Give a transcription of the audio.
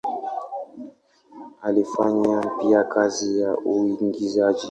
Alifanya pia kazi ya uigizaji.